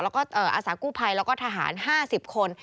แล้วก็อาสากู้ภัยแล้วก็ทหาร๕๐คน